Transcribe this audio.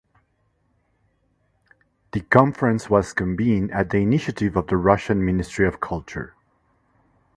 The conference was convened at the initiative of the Russian Ministry of Culture.